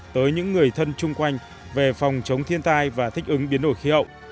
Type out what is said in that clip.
tới những người thân chung quanh về phòng chống thiên tai và thích ứng biến đổi khí hậu